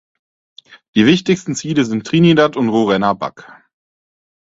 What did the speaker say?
Die wichtigsten Ziele sind Trinidad und Rurrenabaque.